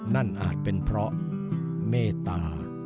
อาจเป็นเพราะเมตตา